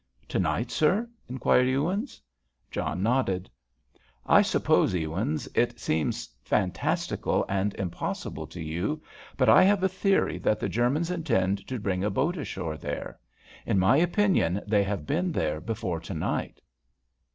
"To night, sir?" inquired Ewins. John nodded. "I suppose, Ewins, it seems fantastical and impossible to you, but I have a theory that the Germans intend to bring a boat ashore there. In my opinion, they have been there before to night."